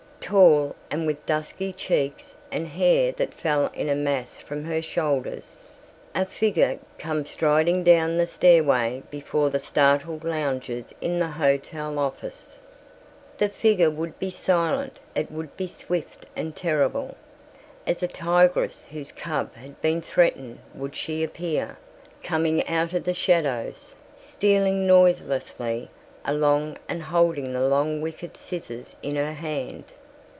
Tall and with dusky cheeks and hair that fell in a mass from her shoulders, a figure should come striding down the stairway before the startled loungers in the hotel office. The figure would be silent—it would be swift and terrible. As a tigress whose cub had been threatened would she appear, coming out of the shadows, stealing noiselessly along and holding the long wicked scissors in her hand.